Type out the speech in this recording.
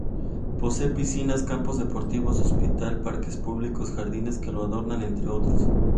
Posee piscinas, campos deportivos, hospital, parques públicos, jardines que lo adornan, entre otros.